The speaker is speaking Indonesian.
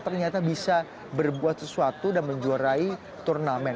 ternyata bisa berbuat sesuatu dan menjuarai turnamen